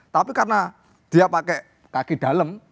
tapi karena dia pakai kaki dalam